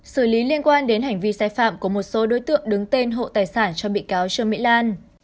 xử lý liên quan đến hành vi sai phạm của một số đối tượng đứng tên hộ tài sản cho bị cáo trương mỹ lan